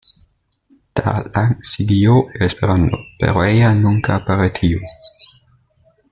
Da Lang siguió esperando, pero ella nunca apareció.